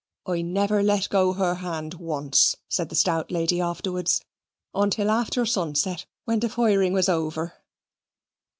"I never let go her hand once," said the stout lady afterwards, "until after sunset, when the firing was over."